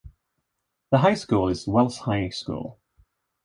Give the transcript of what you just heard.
The high school is Wells High School.